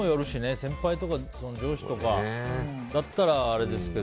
先輩とか上司とかだったらあれですけど。